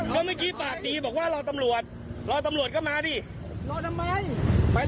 เพราะเมื่อกี้ปากดีบอกว่ารอตำรวจรอตำรวจก็มาดิรอทำไม